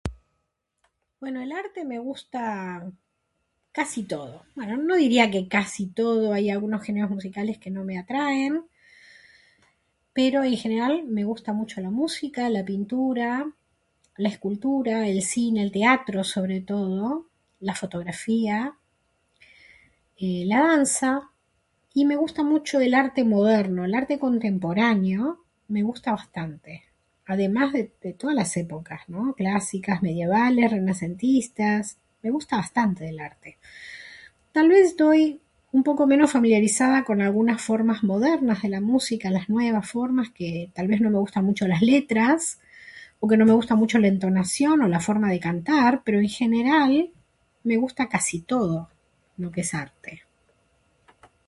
Bueno, el arte me gusta... casi todo. Bueno, no diría que casi todo, hay algunos géneros musicales que no me atraen, pero en general me gusta mucho la música, la pintura, la escultura, el cine, el teatro sobre todo, la fotografía, eh... la danza y me gusta mucho el arte moderno, el arte contemporáneo, me gusta bastante. Además, de todas las épocas, ¿no?, clásicas, medievales, renacentistas, me gusta bastante del arte. Tal vez estoy un poco menos familiarizada con algunas formas modernas de la música, las nuevas formas que tal vez no me gustan mucho las letras o que no me gusta mucho la entonación o la forma de cantar pero en general me gusta casi todo... lo que es arte.